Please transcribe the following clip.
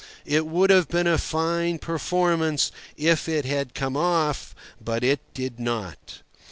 It would have been a fine performance if it had come off, but it did not.